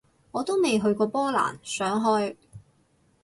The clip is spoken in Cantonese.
我都未去過波蘭，想去